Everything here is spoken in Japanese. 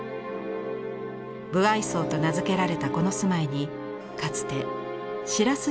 武相荘と名付けられたこの住まいにかつて白洲